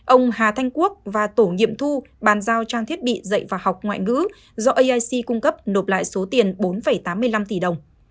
ông hà thanh quốc và tổ nghiệm thu bàn giao trang thiết bị dạy và học ngoại ngữ do aic cung cấp nộp lại số tiền bốn tám mươi năm tỷ đồng